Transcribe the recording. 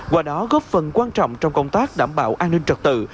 qua đó góp phần quan trọng trong công tác đảm bảo an ninh trật tự